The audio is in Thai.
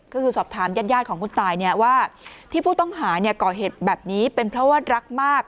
ก็คือสอบถามญาติของผู้ตายว่าที่ผู้ต้องหาก่อเหตุแบบนี้เป็นเพราะว่ารักมาก